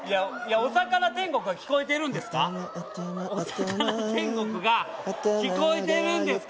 「おさかな天国」が聞こえてるんですか？